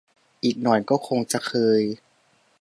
อีกหน่อยก็คงจะเคย